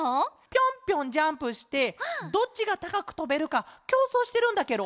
ぴょんぴょんジャンプしてどっちがたかくとべるかきょうそうしてるんだケロ。